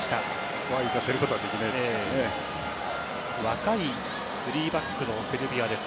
若い３バックのセルビアです。